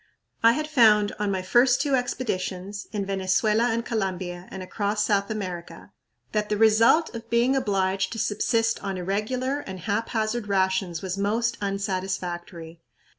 I had found on my first two expeditions, in Venezuela and Colombia and across South America, that the result of being obliged to subsist on irregular and haphazard rations was most unsatisfactory.